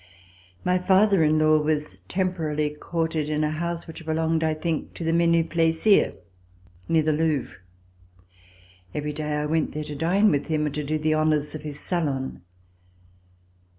My father in law was temporarily quartered in a house which belonged, I think, to the Menus plaisirs near the Louvre. Every day I went there to dine with him and to do the honors of his salon.